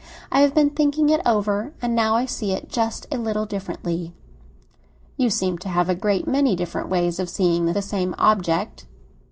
I have been thinking it over, and now I see it just a little differently." "You seem to have a great many different ways of seeing the same object."